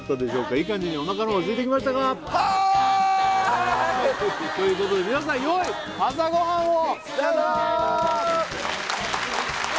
いい感じにおなかのほうはすいてきましたか？ということで皆さんよい朝ごはんを！